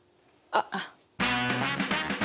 あっ。